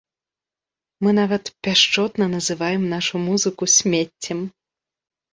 Мы нават пяшчотна называем нашу музыку смеццем.